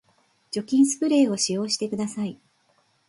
除菌スプレーを使用してください